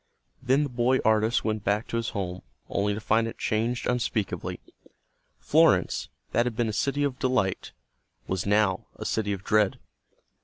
Then the boy artist went back to his home, only to find it changed unspeakably. Florence, that had been a city of delight, was now a city of dread.